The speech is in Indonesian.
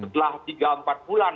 setelah tiga empat bulan